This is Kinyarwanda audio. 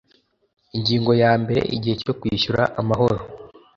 Ingingo ya mbere Igihe cyo kwishyura amahoro